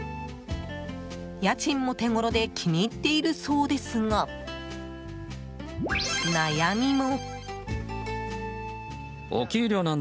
家賃も手ごろで気に入っているそうですが悩みも。